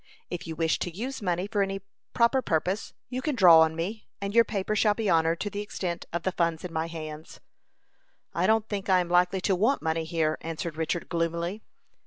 "If you wish to use money for any proper purpose, you can draw on me, and your paper shall be honored to the extent of the funds in my hands." "I don't think I am likely to want money here," answered Richard, gloomily.